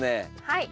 はい。